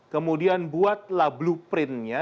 kemudian buatlah blueprint nya